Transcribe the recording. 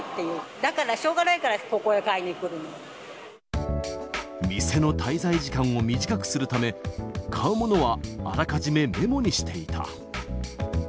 だからしょうがないから、ここに店の滞在時間を短くするため、買うものはあらかじめメモにしていた。